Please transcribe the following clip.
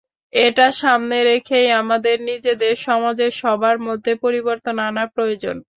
এটা সামনে রেখেই আমাদের নিজেদের, সমাজের সবার মধ্যে পরিবর্তন আনা প্রয়োজন।